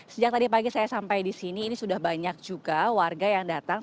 sejak tadi pagi saya sampai di sini ini sudah banyak juga warga yang datang